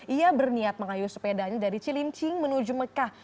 ia berniat mengayu sepedanya dari cilincing menuju mekah